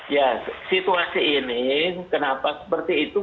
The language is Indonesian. ya situasi ini kenapa seperti itu